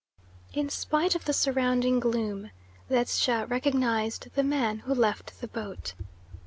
In spite of the surrounding gloom, Ledscha recognised the man who left the boat.